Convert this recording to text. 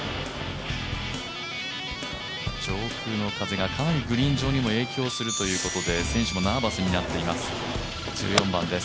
上空の風がかなりグリーン上にも影響するということで選手もナーバスになっています。